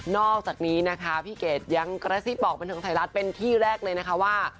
อกจากนี้นะคะพี่เกดยังกระซิบบอกบันเทิงไทยรัฐเป็นที่แรกเลยนะคะว่า